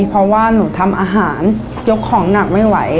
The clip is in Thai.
เพราะว่าหนูทำอาหารยกของหนักไม่ไหว